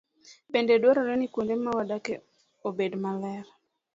Bende dwarore ni kuonde ma wadakie obed maler.